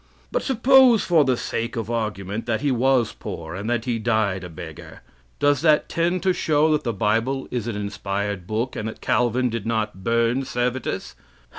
But suppose, for the sake of argument, that he was poor, and that he died a beggar, does that tend to show that the Bible is an inspired book, and that Calvin did not burn Servetus?